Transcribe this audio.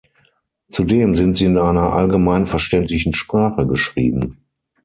Zudem sind sie in einer allgemeinverständlichen Sprache geschrieben.